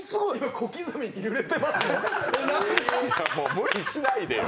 無理しないでよ。